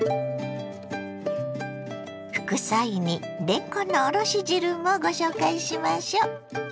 副菜にれんこんのおろし汁もご紹介しましょ。